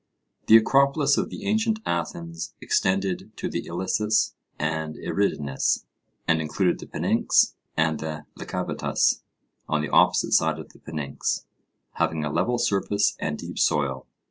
The Acropolis of the ancient Athens extended to the Ilissus and Eridanus, and included the Pnyx, and the Lycabettus on the opposite side to the Pnyx, having a level surface and deep soil.